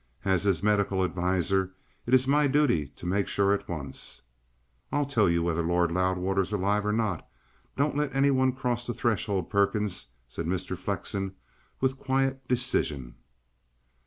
"As his medical adviser, it's my duty to make sure at once." "I'll tell you whether Lord Loudwater is alive or not. Don't let any one cross the threshold, Perkins," said Mr. Flexen, with quiet decision.